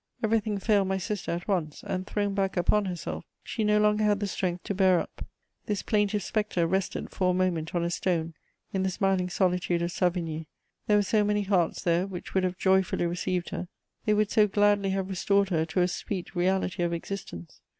Everything failed my sister at once, and, thrown back upon herself, she no longer had the strength to bear up. This plaintive spectre rested for a moment on a stone, in the smiling solitude of Savigny: there were so many hearts there which would have joyfully received her! They would so gladly have restored her to a sweet reality of existence!